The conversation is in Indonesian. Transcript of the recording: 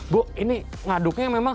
bu ini mengaduknya memang